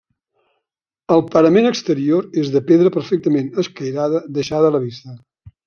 El parament exterior és de pedra perfectament escairada deixada a la vista.